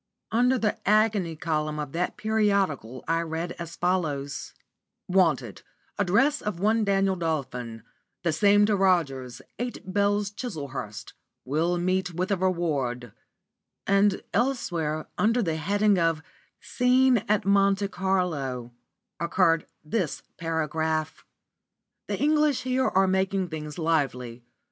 Under the "agony column" of that periodical I read as follows: "Wanted, address of one Daniel Dolphin. The same to Rogers, 'Eight Bells,' Chislehurst, will meet with a reward." And elsewhere, under the heading of "Scene at Monte Carlo," occurred this paragraph: "The English here are making things lively.